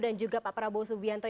dan juga pak prabowo subianto